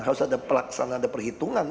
harus ada pelaksanaan ada perhitungan